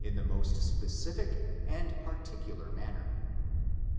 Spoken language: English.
96 the most specific and particular manner.